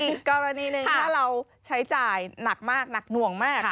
อีกกรณีหนึ่งถ้าเราใช้จ่ายหนักมากหนักหน่วงมาก